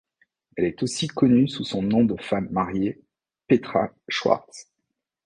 Elle est aussi connue sous son nom de femme mariée, Petra Schwarz.